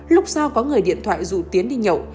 lúc sau có người điện thoại rủ tiến đi nhậu